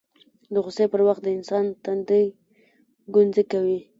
د غوسې پر وخت د انسان تندی ګونځې کوي